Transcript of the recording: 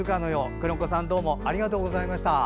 くろんこさん、どうもありがとうございました。